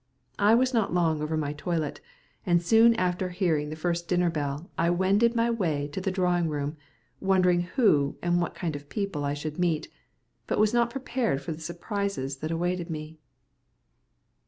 I was not long over my toilet, and soon after hearing the first dinner bell I wended my way to the drawing room, wondering who and what kind of people I should meet, but was not prepared for the surprises that awaited me.